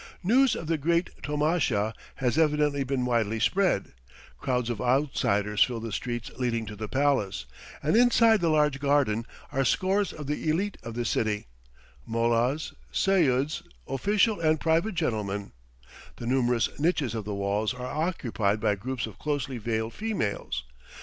News of the great tomasha has evidently been widely spread, crowds of outsiders fill the streets leading to the palace, and inside the large garden are scores of the elite of the city, mollahs, seyuds, official and private gentlemen; the numerous niches of the walls are occupied by groups of closely veiled females.